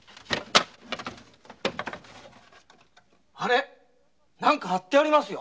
あれ何か貼ってありますよ。